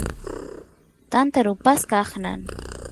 tanta rupasqa aqnan